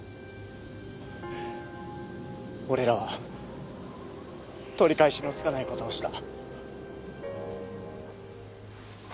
俺らは取り返しのつかない事をした。